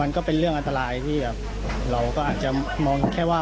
มันก็เป็นเรื่องอันตรายที่แบบเราก็อาจจะมองแค่ว่า